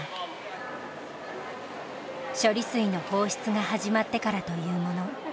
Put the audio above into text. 処理水の放出が始まってからというもの